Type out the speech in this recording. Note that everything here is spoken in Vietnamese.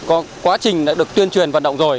có quá trình đã được tuyên truyền vận động rồi